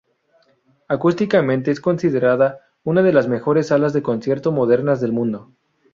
Acústicamente, es considerada una de las mejores salas de concierto modernas del mundo.